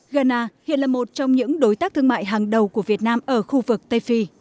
ghana hiện là một trong những đối tác thương mại hàng đầu của việt nam ở khu vực tây phi